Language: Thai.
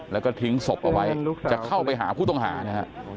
แล้วก็ทิ้งศพเอาไว้จะเข้าไปหาผู้ต้องหานะฮะ